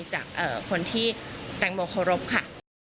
จากคนที่แตงโมเคารพค่ะ